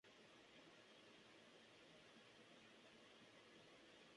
Está fuertemente asociado con la caña de azúcar y elementos relacionados al azúcar.